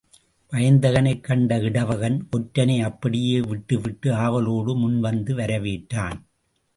வயந்தகனைக் கண்ட இடவகன், ஒற்றனை அப்படியே விட்டு விட்டு ஆவலோடு முன்வந்து வரவேற்றான்.